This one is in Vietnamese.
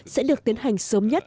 sẽ được tiến hành sớm nhất